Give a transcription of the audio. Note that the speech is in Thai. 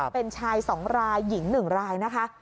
เป็นชาย๒รายหญิง๑รายนะคะ